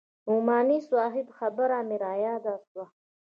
د نعماني صاحب خبره مې راياده سوه.